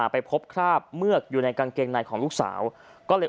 ไปพบคราบเมือกอยู่ในกางเกงในของลูกสาวก็เลย